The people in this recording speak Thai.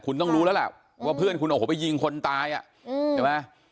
คุณต้องรู้แล้วว่าเพื่อนคุณไปยิงคนตายอ่ะ